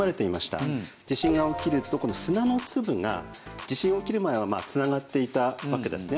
地震が起きるとこの砂の粒が地震起きる前は繋がっていたわけですね。